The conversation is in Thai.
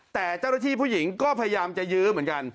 แต่เจ้าหน้าที่ผู้หญิงก็พยายามจะยื้อเหมือนกัน